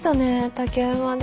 竹馬で。